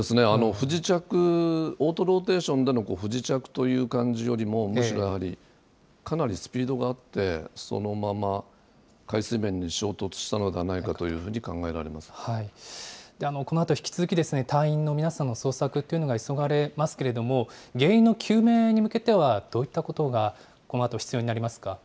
不時着、オートローテーションでの不時着という感じよりも、むしろやはり、かなりスピードがあって、そのまま海水面に衝突したのではないかといこのあと引き続き、隊員の皆さんの捜索というのが急がれますけれども、原因の究明に向けては、どういったことが、このあと必要になりますか。